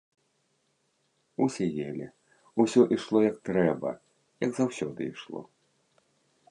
Усе елі, усё ішло як трэба, як заўсёды ішло.